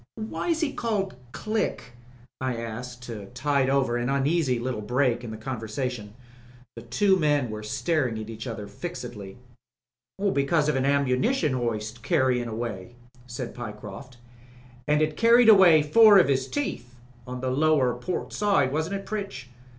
"Why was he called Click?" I asked to tide over an uneasy little break in the conversation. The two men were staring at each other very fixedly. "Because of an ammunition hoist carryin' away," said Pyecroft. "And it carried away four of 'is teeth — on the lower port side, wasn't it, Pritch?